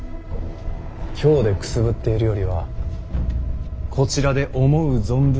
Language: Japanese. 京でくすぶっているよりはこちらで思う存分